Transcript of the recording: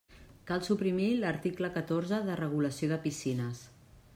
Cal suprimir l'article catorze de regulació de piscines.